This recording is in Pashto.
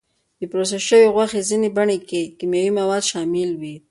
د پروسس شوې غوښې ځینې بڼې کې کیمیاوي مواد شامل وي.